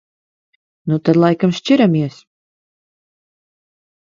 Nu tad laikam šķiramies.